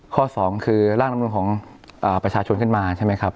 ข้อสองคือร่างลำนูลของประชาชนขึ้นมาใช่ไหมครับ